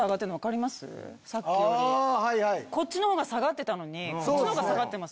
こっちの方が下がってたのにこっちの方が下がってます。